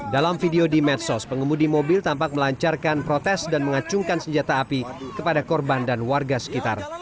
dalam video di medsos pengemudi mobil tampak melancarkan protes dan mengacungkan senjata api kepada korban dan warga sekitar